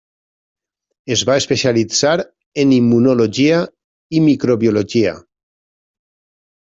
Es va especialitzar en immunologia i microbiologia.